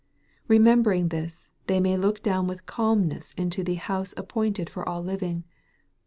Bemember ing this, they may look down with calmness into the " house appointed for all living."